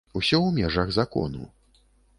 Усё ў межах закону.